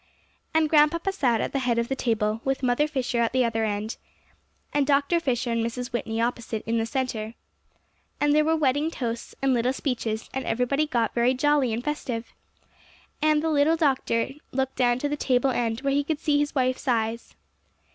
And Grandpapa sat at the head of the table, with Mother Fisher at the other end, and Dr. Fisher and Mrs. Whitney opposite in the centre. And there were wedding toasts and little speeches; and everybody got very jolly and festive. And the little doctor looked down to the table end where he could see his wife's eyes.